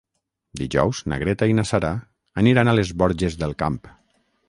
Dijous na Greta i na Sara aniran a les Borges del Camp.